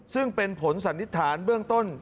ซึ่งเป็นผลสันนิษฐานเบื้องต้น